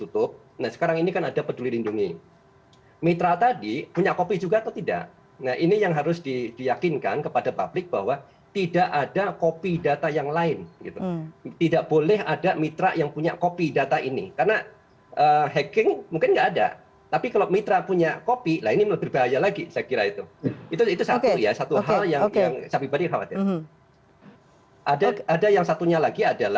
tapi dijawabnya setelah jeda berikut ini kita akan kembali sesaat lagi